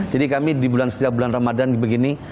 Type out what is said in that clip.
jadi kami di setiap bulan ramadhan begini